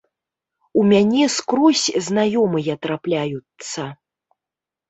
У мяне скрозь знаёмыя трапляюцца.